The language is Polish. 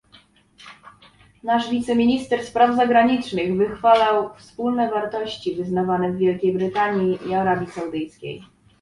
Nasz wiceminister spraw zagranicznych wychwalał wspólne wartości wyznawane w Wielkiej Brytanii i Arabii Saudyjskiej